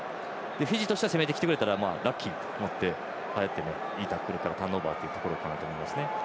フィジーとしたら攻めてきてくれたらラッキーと思っていいタックルからターンオーバーというところかなと思いますね。